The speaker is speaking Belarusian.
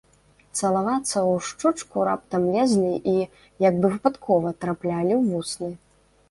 Цалавацца ў шчочку раптам лезлі і, як бы выпадкова, траплялі ў вусны.